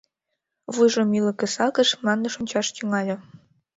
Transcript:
Вуйжым ӱлыкӧ сакыш, мландыш ончаш тӱҥале.